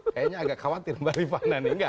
kayaknya agak khawatir mbak rifana ini nggak